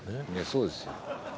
そうですよ。